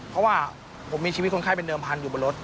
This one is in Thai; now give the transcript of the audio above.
เพราะว่าผมมีชีวิตคนไข้เป็นเดิมพันธุอยู่บนรถ